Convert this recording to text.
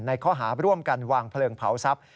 ข้อหาร่วมกันวางเพลิงเผาทรัพย